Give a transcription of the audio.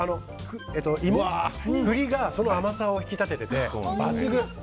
芋、栗がその甘さを引き立ててて、抜群！